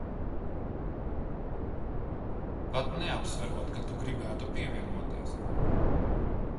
Pat neapsverot, ka tu gribētu pievienoties.